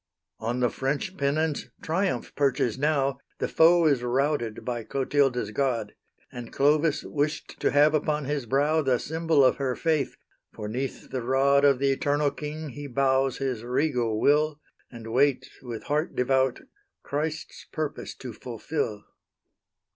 On the French pennons triumph perches now; The foe is routed by Clotilda's God; And Clovis wished to have upon his brow The symbol of her faith; for 'neath the rod Of the eternal King he bows his regal will, And waits, with heart devout, Christ's purpose to fulfil.